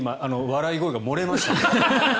笑い声が漏れましたが。